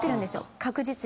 確実に。